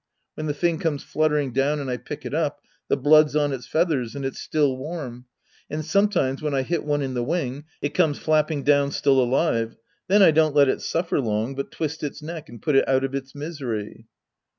When the thing comes fluttering down and I pick it up, the blood's on its feathers, and it's still warm. And sometimes when I hit one in the wing, it comes flapping down still alive. Then I don't let it suffer long, but twist its neck and put it out of its misery.